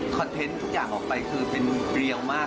เทนต์ทุกอย่างออกไปคือเป็นเกลียวมาก